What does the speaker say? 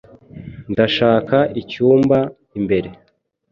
Ndashaka icyumba imbere.